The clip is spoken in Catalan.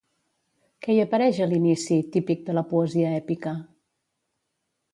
Què hi apareix a l'inici, típic de la poesia èpica?